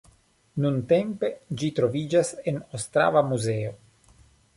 Nuntempe ĝi troviĝas en Ostrava muzeo.